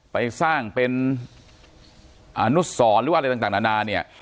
ไปสร้างเป็นนุษย์ศรหรือว่าอะไรต่างนานา